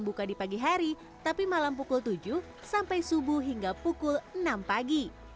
buka di pagi hari tapi malam pukul tujuh sampai subuh hingga pukul enam pagi